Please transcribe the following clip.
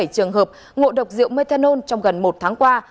bảy mươi trường hợp ngộ độc rượu methanol trong gần một tháng qua